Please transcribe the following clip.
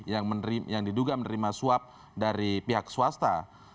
yang diduga menerima suap dari pihak swasta